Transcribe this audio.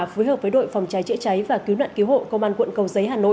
phối hợp với đội phòng cháy chữa cháy và cứu nạn cứu hộ công an quận cầu giấy hà nội